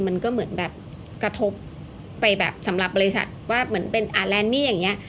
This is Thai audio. มันก็เหมือนแบบกระทบไปแบบสำหรับบริษัทว่าเหมือนเป็นแลนดมี่อย่างนี้